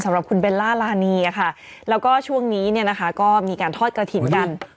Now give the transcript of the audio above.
สำหรับคุณเบลล่าลานีแล้วก็ช่วงนี้ก็มีการทอดกระถิ่นกัน